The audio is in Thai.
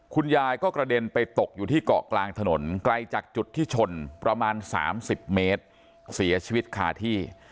คุณยายก็กระเด็นไปตกอยู่ที่เกาะกลางถนนไกลจากจุดที่ชนประมาณ๓๐เมตรเสียชีวิตคาที่